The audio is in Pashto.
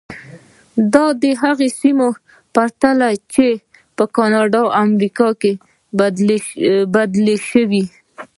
دا د هغو سیمو په پرتله چې پر کاناډا او امریکا بدلې شوې.